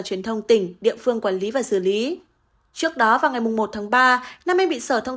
truyền thông tỉnh địa phương quản lý và xử lý trước đó vào ngày một tháng ba nam anh bị sở thông